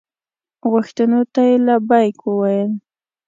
غوښتنو ته یې لبیک وویل.